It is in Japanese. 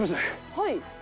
はい。